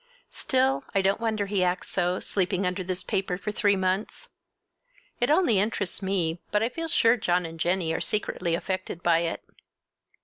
Still, I don't wonder he acts so, sleeping under this paper for three months. It only interests me, but I feel sure John and Jennie are secretly affected by it.